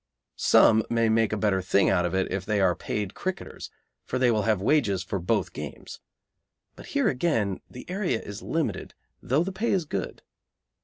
Some may make a better thing out of it if they are paid cricketers, for they will have wages for both games. But here again the area is limited, though the pay is good.